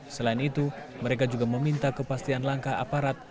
selain itu mereka juga meminta kepastian langkah aparat